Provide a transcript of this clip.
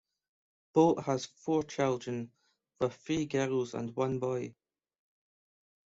Boat has four children, with three girls and one boy.